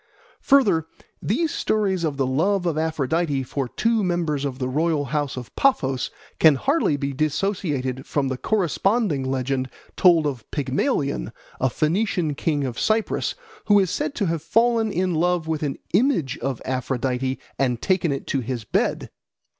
Further, these stories of the love of Aphrodite for two members of the royal house of Paphos can hardly be dissociated from the corresponding legend told of Pygmalion, a Phoenician king of Cyprus, who is said to have fallen in love with an image of Aphrodite and taken it to his bed.